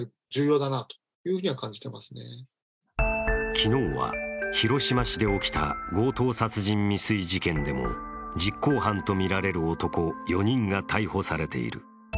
昨日は、広島市で起きた強盗殺人未遂事件でも実行犯とみられる男４人が逮捕されている。